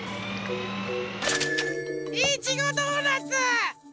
いちごドーナツ！